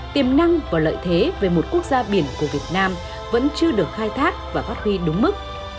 tiềm năng và lợi thế về một quốc gia biển của việt nam vẫn chưa được khai thác và phát huy đúng mức